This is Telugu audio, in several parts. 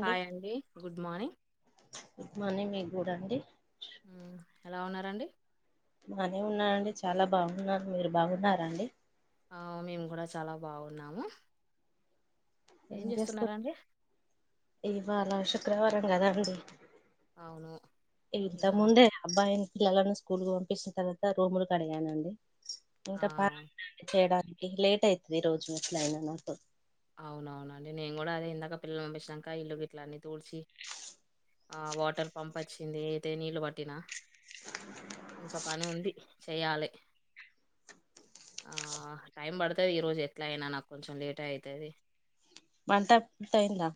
హాయ్ అండి గుడ్ మార్నింగ్ గుడ్ మార్నింగ్ మీకు గుడ అండి ఊ ఎలా ఉన్నారండి. బానే ఉన్నానండి చాలా బాగున్నాను మీరు బాగున్నారా అండి ఆ మేము కూడా చాలా బాగున్నాము. ఏం చేస్తున్నారండి. ఇవాళ శుక్రవారం కదాండి అవును. ఇగ ఇంతకు ముందే అబ్బాయిని పిల్లలను స్కూల్ కి పంపించిన తర్వాత రూములు కడగాలంది ఆ! ఇంక పనుందండి చేయడానికి లేట్ అయితది ఈ రోజు ఎట్లయినా నాకు అవునవునండి నేను కూడా అదే ఇందాక పిల్లని పంపించినంక ఇల్లు గిట్ల అన్నీ తూడ్చి ఆ వాటర్ పంప్ వచ్చింది అయితే నీళ్లు పట్టినా. ఇంకా పని ఉంది చేయాలి. ఆ టైం పడుతది ఈరోజు ఎట్లా అయినా నాకు కొంచెం లేటే అయితది వంటంత అయిందా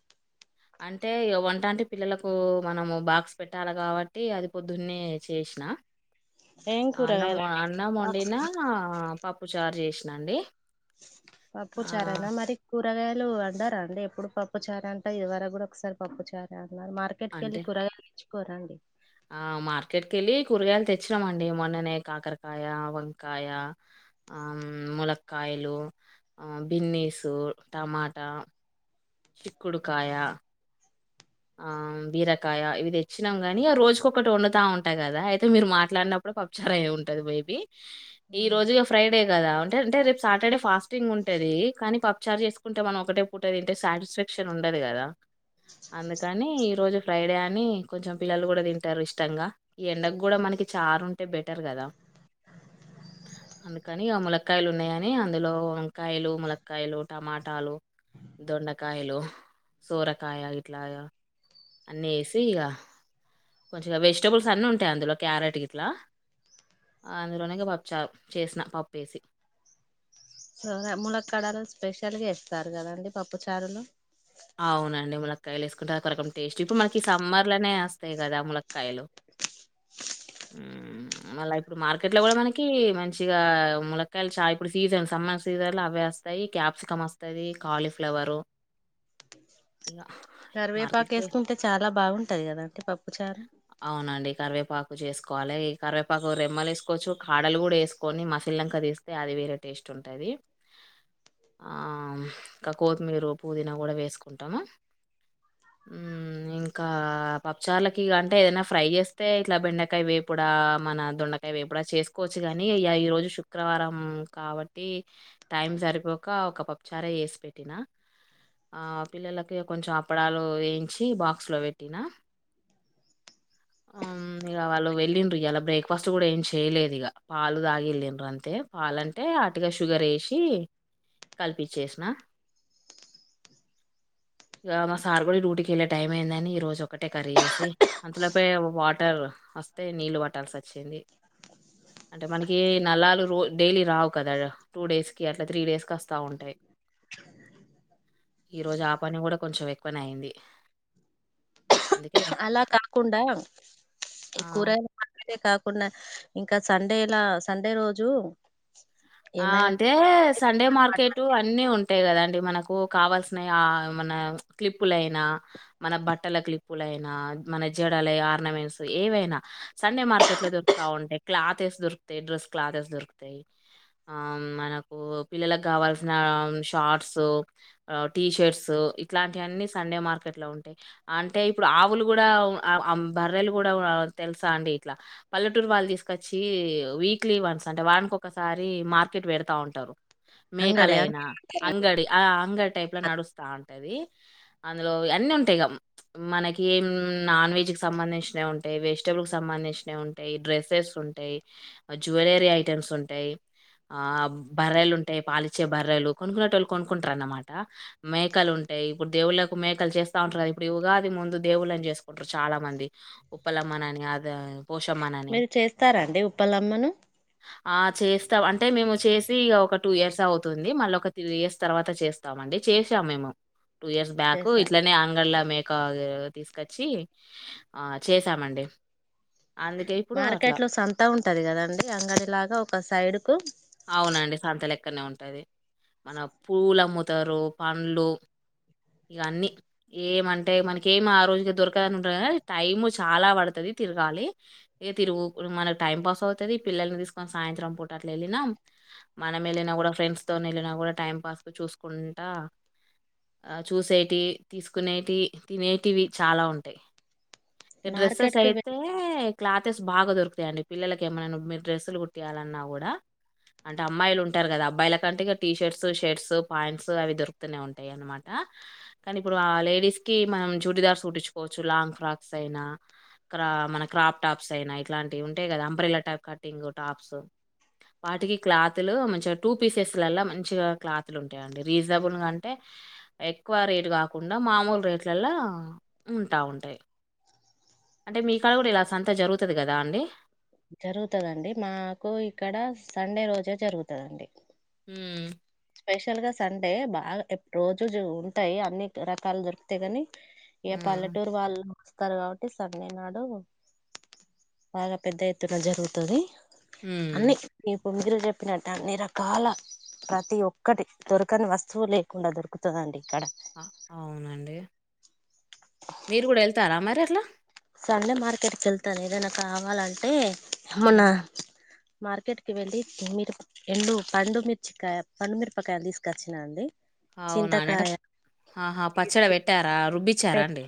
అంటే ఇగ వంటంటే పిల్లలకు మనము బాక్స్ పెట్టాలి కాబట్టి అది పొద్దున్నే చేస్ నా ఏం అన్నం కూరగాయలు అన్నం బాక్స్ వొండినా పప్పు చారు చేసినాండి పప్పు చారేనా మరి. కూరగాయలు అండరా అండి ఎప్పుడు పప్పు చార అంట ఇదివరకు కూడా ఒకసారి పప్పు చారా మరి మార్కెట్ అంటే వెళ్ళి కూరగాయలు తెచుకోరండి. ఆ మార్కెట్‌కెళ్ళి కూరగాయలు తెచ్చినామండి మొన్ననే కాకరకాయ వంకాయ ఆ ములక్కయ్ ఎలు, ఆ బిన్నీసు, టమాట. చిక్కుడుకాయ ఆ బీరకాయ ఇవి తెచ్చినం గని ఇగ రోజుకొకటి వండుతా ఉంట కదా అయితే మీరు మాట్లాడినప్పుడు అ పప్ చారె ఉంటది మెబి ఈ రోజు ఇగ ఫ్రైడే కదా అంటే అంటే రేప్ సాటర్డే ఫాస్టింగ్ ఉంటే డేది కానీ పప్చార్ చేసుకుంటే మనం ఒకటే పూట దింటే సాటిస్ఫాక్షన్ ఉండదు కదా. అందుకని ఈ రోజు ఫ్రైడే అని కొంచెం పిల్లలు కూడా తింటారు ఇష్టంగా ఈ ఎండకు కూడా మనకి చా అరుంటే బెటర్ కదా అందుకని అ ములక్కాయలు ఉన్నాయని, అందులో వంకాయలు ములక్కాయలు టమాటాలు. దొండకాయలు, సోరకాయా. ఇట్లాగా అన్ని ఏసిఇగ. కొంచెఇగా వెజిటబుల్స్ అన్ని ఉంటాయి, అందులో క్యారెట్ గిట్ల. అందులోనే ఇగా పప్పుచారు చేసిన పప్పు ఎసి. ములక్కాడలు స్పెషల్ గా ఎస్తారు కదండి పప్పు చారు లో. ఆ అవునండి ములక్కాయలు వేసుకుంటారు. కొరకం టేస్ట్ ఇప్పుడు మనకి ఈ సమ్మర్ లోనే వస్తాయి. కదా ములక్కాయలు. [inaudible] మళ్ళా ఇప్పుడు మార్కెట్ లో కూడా మనకి మంచిగా ములక్కకాయలు చాలా ఇప్పుడు సీజన్ సమ్మర్. సీజర్ల అవ్వే వస్తాయి. క్యాప్సికం వస్తంద. కాలీఫ్లవరు. కరివేపాకు మార్కెట్కి పేరు, వేసుకుంటే చాలా బాగుంటది కదండి పప్పుచారు అవునండి కర్వేప్. పాకు చేసుకోవాలి. ఈ కరివేపాకు రెమ్మలు వసుకోవచ్చు. కాడలు కూడా వేసుకొని మసీల్నాంక తీస్తే అది వేరే. టేస్ట్ ఉంటది, ఇంక కొత్తిమీరు పుదినా కూడా వేస్త. కుంటామా. ఉహ్ ఇంకా పచ్చళ్లకీ అంటే ఏదైనా ఫ్రై చేస్తే ఇట్లా బెండకాయ వేపూడు. ఇగ మన దొండకాయ వేప్పుడు ఆ చేసుకోవచ్చు. కాగానీ అ ఈ రోజు శుక్రవారం కాబట్టి. టైం సరిపోక ఒక పప్పుచారే చేసి పెట్టిన. ఆ పిల్లలకి కొంచెం అప్పడాలు వేయించి. బాక్స్ లో పెట్టినా. [unintelligible] హ్మ్ ఇగ వాళ్ళు వెళ్ళండ్రి. ఇయల బ్రేక్ఫాస్ట్ కూడా ఏం చేయలేదు. ఇగ పాలు తాగి వెళ్ళిండ్రు అంతే. పాలంటే హాటుగా షుగర్ వేసి కలిపించేసిన. [inaudible] ఇగ మా సార్ కూడా డ్యూటీకెళ్లే టైం అయిందని. ఈ రోజు ఒకటే కర్రీ చేేసి అంత లోపే వాటర్. వస్తే నీళ్లు పట్టాల్సి వచ్చింది. అంటే మనకి నల్లాలు రో డైలీ రావు కదా. టూ డేస్ కి అట్లా త్రీ డేస్ కి వస్తా ఉంటాయి. ఈరోజు ఆ పని కూడా కొంచెం ఎక్కువనే అయింది. అందుకే అలా కాకుండా ఈ ఆ కూరగాయల మార్కెట్ కా. కుండా ఇంకా సండేలా సండే రోజు. ఆ ఏమైనా అంటే సండే చికెన్ మటన్ మార్కెటు అన్ని ఉం. అంతే కదా అండి మనకు కావాల్సిన ఆ మన క్లిప్పులయిన మన బట్టల క్లిప్పులయినా. యినా మన జడల ఆర్నమెంట్స్ ఏవైనా సండే మార్కెట్ లో దొరుకుతా ఉంటయి క్లాత్స్. దొరుకుతాయి డ్రెస్ క్లాత్స్ దొరుకుతాయి. ఆ మనకు పిల్లలకు కావాల్సిన షార్ట్స్, టీ షర్ట్స్. ఇట్లాంటివన్నీ సండే మార్కెట్ లో ఉంటాయి అంటే ఇప్పుడు ఆవులు కూడా బర్రెలు కూడా. తెలుసా అండి ఇట్లా పల్లెటూరు వాళ్ళు తీసుకొచ్చి వీక్లీ వన్స్ అట్లా అంటే వారానికి ఒక. సారీ మార్కెట్ పెడతా ఉంటారు. మేకలైన అంగడి ఆ అంగడి టైప్ లో నడుస్తా ఉంటది. అందులో అన్నీ ఉంటాయి. ఇగ మనకి నాన్ వెజ్ కి సంబంధించినవి ఉంటాయి. వెజిటబుల్ కి సంబం. దించినాయి ఉంటాయి. డ్రస్సెస్ ఉంటాయి. జ్యువెలరీ ఐటెమ్స్ ఉంటాయి. ఆ బర్రలు ఉంటాయి. పాలిచే బర్రెలు కొనుకునేటోళ్ళు కొనుక్కుంటరునమాట మేకలు. ఉంటాయి. ఇప్పుడు దేవుళ్ళలకు మేకలు చేస్తా ఉంటారు. కదా ఇప్పుడు ఉగాది ముందు దేవుళ్ళని చేసుకుంటారు. చాలా మంది. ఉప్పలమ్మని అనిఅదో. మీరు చేస్తారా అండి ఉప్పలమ్మను ఆ చేస్ స్తాం అంటే మేము చేసి ఒక టూ ఇయర్స్ అవుతుంది మళ్ళీ ఒక త్రీ ఇయర్స్ తర్వాత చేస్తామండి చేసాం మేము టూ ఇయర్స్ బ్యాక్ చేశారు ఇట్లనే అంగల్లా మే క తీసుకొచ్చి ఆ చేసామండి అందుకే ఇప్పుడు అట్లా మార్కెట్ లో సంత ఉంటది కదండి అంగడి లాగా ఒక సైడ్ కు అవునండి సంత లెక్కనే ఉంటది మన పూలు అమ్ముతరు పండ్లు ఇగ అన్నీ ఏమంటే మనక ఏమి ఆ రోజుకి దొరకదని ఉండదు గని టైం చాలా పడుతది తిరగాలి ఇ తిరుగు మనకు టైం పాస్ అవుతుది. పిల్లల్ని తీసుకొని సాయంత్రం పూట అట్లా వెళ్ళినా. మనం వెళ్ళినా కూడా ఫ్రెండ్స్ తో వెళ్ళినా కూడా టైం పాస్ కు చూసుకుంట. ఆ చూసేటివి తీసుకునేటివి తినేటివి చాలా ఉంటాయి డ్రెస్సెస్ మార్కెట్ కి వె అయితే క్లాథెస్ బాగా దొరుకుతాయండి పిల్లలకి ఏమైనా మీరు డ్రెస్సులు కుట్టియాలన్నా కూడా అంటే అమ్మాయిలు ఉంటారు కదా అబ్బాయిల కంటే ఇక టీ షర్ట్స్ షర్ట్స్ పాయింట్స్ అవి దొరుకుతూనే ఉంటాయి అనమాట ఆ కానీ ఇప్పుడు ఆ లేడీస్ కి మనం చూడిదార్స్ కుట్టిచ్చుకోవచ్చు లాంగ్ ఫ్రాక్స్ అయినా క్రా మన క్రాప్ టాప్స్ అయినా ఇట్లాంటివి ఉంటాయి కదా అంబ్రెల్ల టైప్ కటింగ్ టాప్స్ వాటికి క్లాతులు మంచిగా టూ పీసెస్లల్లా మంచిగా క్లాతులు ఉంటాయండి రీజనబుల్ గా అంటే ఎక్కువ రేటు కాకుండా మామూలు రేట్లలో ఉంటా ఉంటాయి అంటే మీ కాడ కూడా ఇలా సంత జరుగుతది కదా అండి జరుగుతదండి మాకు ఇక్కడ సండే రోజే జరుగుతదండి ఉమ్ స్పెషల్ గా సండే బాగా రోజు ఉంటాయి అన్ని రకాలు దొరుకుతాయి కాని ఇగ హ్మ్ పల్లటూరు వాళ్ళు వస్తారు కాబట్టి సండే నాడు బాగా పెద్ద ఎత్తున జరుగుతుది అన్ని హ్మ్ ఇప్పుడు మీరు చెప్పినట్ట అన్ని రకాల ప్రతి ఒక్క టి దొరకని వస్తువు లేకుండా దొరుకుతదండి ఇక్కడ అవునండి మీరు కూడా వెళ్తారా మరి అట్లా సండే మార్కెట్కి వెళ్తా ఏదైనా కావాలంటే ఏమన్నా హ్మ్ మార్కెట్ కి వెళ్ళి మీరు ఎండు పండుమిర్చికాయ పండుమిరపకాయలు తీసుకొచ్చిన అండి అవునానంట చింతకాయ ఆహా పచ్చడి పెట్టారా రుబ్బిచ్చారా అండి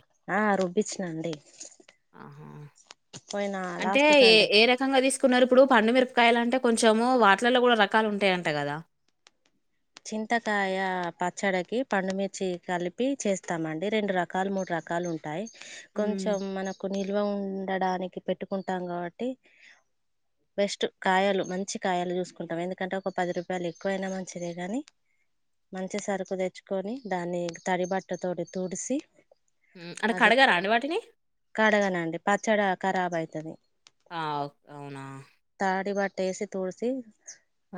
ఇచ్చిన అండి ఆహా అంటే లాస్ట్ ఏ సండే ఏ రకంగా తీసుకున్నారు ఇప్పుడు పండు మిర పకాయలు అంటే కొంచెము వాటిలల్లో కూడా రకాలు ఉంటాయంట కదా చింతకాయ పచ్చడికి పండుమిర్చి కలిపి చేస్తామండి రెండు రకాలు మూడు రకాలు ఉంటా టాయి హ్మ్ కొంచెం మనకు నిల్వ ఉండడానికి పెట్టుకుంటాం కాబట్టి బెస్ట్ కాయలు మంచి కాయలు చూసుకుంటాం ఎందుకంటే ఒక పది రూపాయలు ఎక్కువైనా మంచి దే కానీ మంచి సరుకు తెచ్చుకొని దాన్ని తడి బట్ట తోటి తుడిసి హ్మ్ అంటే అది కడగరా అండి వాటిని కడగనండి పచ్చడి ఖరాబ్ అయితుది ఆ అవునా ట్టేసి తుడిసి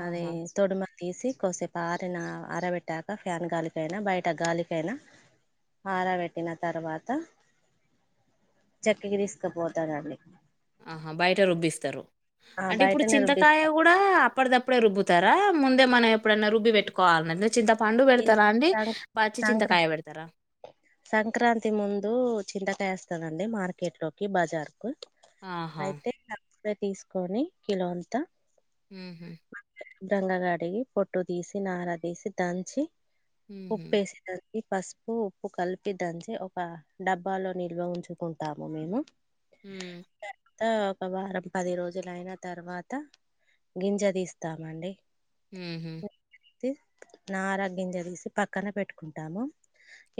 అది ఆహా తొడుమ తీసి కొద్దిసేపు ఆరినా ఆరబెట్టాక ఫ్యాన్ గాలికైనా బయట గాలికైనా ఆరా పెట్టిన తర్వాత చెక్క్కకి తీసుకుపోతారండి ఆహా బయట రుబ్బిస్తారు ఆ అంటే ఇప్పుడు బయటనే చింతకాయ రుబ్బిస్తా కూడా అప్పటిదప్పుడే రుబ్బుతారా ముందే మనం ఎప్పుడన్నా రుబ్బి పెట్టుకోవాలన చింత ఈ సంక సంక్ర పెడతారా సంక్రాంతి ముందు చింత తెస్తానండి మార్కెట్ లోకి బజార్ కు ఆహా! అయితే తీసుకొని కిలో అంతా హహ గాగాడిగి పొట్టు తీసి నారా తీసి దంచి హుహు. ఉప్పుేసి దంచి పసుపు ఉప్పు కలిపి దంచి ఒక డబ్బాలో నిల్వ ఉంచుకుంటాము మేము ఉమ్ తర్వాత ఒక వారం పది రోజులు అయిన తర్వాత గింజ తీస్తామండి హు హ్మ్ నా ఆరోగ్యం చదిసి పక్కన పెట్టుకుంటాము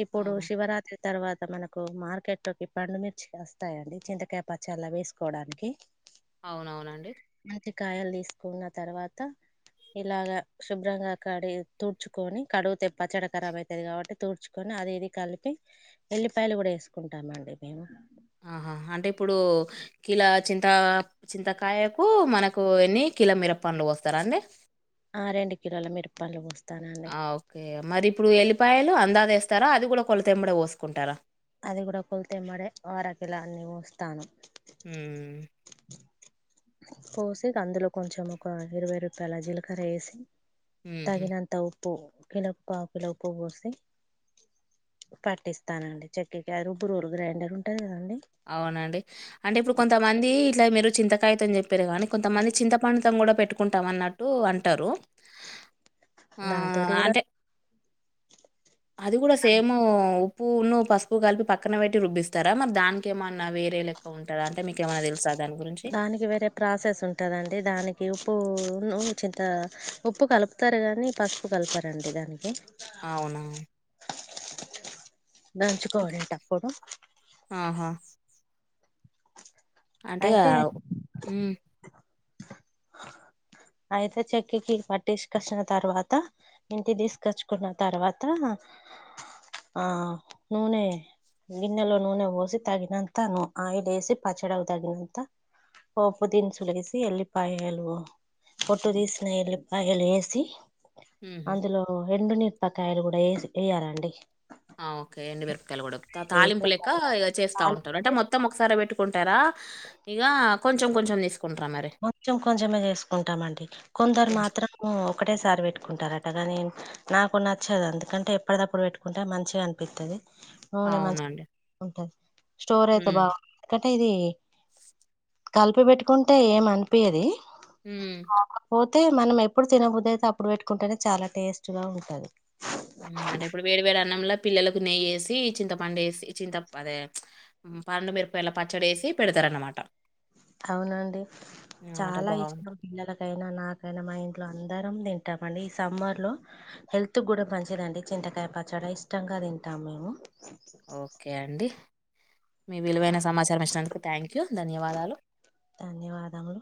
ఇప్పుడు ఆహా! శివరాత్రి తర్వాత మనకు మార్కెట్ లోకి పండుమిర్చి వస్తాయంండి చింతకాయపచ్చలా వేసుకోవడానికి అవునవునండి మంచి కాయలు తీసుకున్న తర్వాత ఇలాగ శుభ్రంగా కడి తుడ్చుకొని కడుగుతే పచ్చడి ఖరాబ్ అయితుది కాబట్టి తుడ్చుకొని అది ఇది కలిపి ఎల్లిపాయలు కూడా చేసుకుంటామండి మేము ఆహా అంటే ఇప్పుడు కీలా చింత చింతకాయకు మనకు ఎన్ని కిల మీర పండ్లు వస్తారా అండి ఆ రెండు కిలోల మిరపాలు పోస్తా ఓకే మరి ఇప్పుడు వెల్లిపాయలు అందాజేస్తారా అది కూడా కొలతమ్మడ పోసుకుంటారా అది కూడా కొల్తే మడే వరకిలాన్ని వస్తాను ఉమ్ పోసికి అందులో కొంచం ఒక ఇరవై రూపాయల జీలకర్ర వేసి హుహు. తగినంత ఉప్పు కిలప్ప కిలో ఉప్పు బసి పట్టిస్తానండి చెక్కకి రుబరురు గ్రైండర్ ఉంటది కదండి అవునండి అంటే ఇప్పుడు కొంతమంది ఇలా మీరు చింత యితం చెప్పేారు కానీ కొంతమంది చింతపంతం కూడా పెట్టుకుంటాం అన్నట్టు అంటారు దాంతోటి ఆహ్, కూడా అంటే అది కూడా సేమ్ ఉప్పున్న పసుపు కలిపి పక్కన పెట్టి రుబ్బిస్తారా మరి దానికి మీక ఏమన్నా వేరే లెక్క ఉంటారా అంటేకు ఏమన్నా తెలుసా దానికి వేరే ప్రాసెస్ ఉంటదండి దానికి ఉప్పు చింత ఉప్పు కలుపుతారు కానీ పసుపు కలపారండి దానికి అవునా అంటే దంచుకోవాలంటప్పుడు ఆహా! అంటే అయితే అయితే చెక్కకి పట్టిసుకొచ్చిన తర్వాత ఇంటి తీసుకొచ్చుకున్న తర్వాత ఆ నూనె గిన్నెలో నూనె పోసి తగినంత న ఆయిల్ వేసి పచ్చడా తగినంత ఒ పు దీన్ సులుగసి ఎళ్ ప్పయలు పొట్టు తీసిన ఎల్లిపాయలు వేసి హుహు. అందులో రెండు నీరపకాయలు కూడా వే వేయాలండి ఓకే ఎండి వెరపకాయలు కూడా వేసిన తాలింపు ెక తర్వాత చేస్తా ఉంటారు తాలింపు అంటే మొత్తం వేసుకోవాలి ఒకసారి పెట్టు కుంటారా ఇక కొంచెం కొంచెం తీసు కొంచెం కొంచెమే చేసుకుంటామండి కొందరు కొంచెం మాత్రం ఒకటేసారి పెట్టు పెట్టుకుంటారట కానీ నాకు నచ్చదు అందుకంటే ఎప్పటిదప్పుడు పెట్టుకుంటే మంచిగా అనిపిస్తుంది నూనే మంచి అవునండి. ఉంటది స్టోర్ అయితే హ్మ్. బాగుంది ఎకంటే ఇది కలిపి పెట్టుకుంటే ఏం అనిపయేది హ్మ్. అయితే మనం ఎప్పుడు తినబదు అయితే అప్పుడు పెట్టుకుంటేనే చాలా టేస్ట్ గా ఉంటది అంటే ఇప్పుడు వేడి వేడి అన్నంలో పిల్లలకు నెయ్యి వేసి చింత పడుేసి చింత అదే పండు మిరపాయలా పచ్చడి వేసి పెడతారన్నమాట అవునండి ఆ! అంటే చాలా ఇష్టం బావుంటుంది. పిల్లలకైనా నాకైనా మా ఇంట్లో అందరం తింట తింటామ అండి ఈ సమ్మర్ లో హెల్త్ కూడా మంచిదండి చింతకాయ పచ్చడా ఇష్టంగా తింటాము మేము ఓకే అండి. అ మీ విలువైన సమాచారం ఇచ్చినందుకు థ్యాంక్ యూ ధన్యవాదాలు ధన్యవాదములు